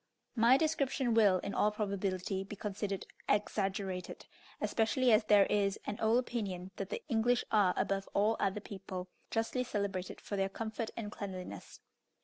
My description will, in all probability, be considered exaggerated, especially as there is an old opinion that the English are, above all other people, justly celebrated for their comfort and cleanliness.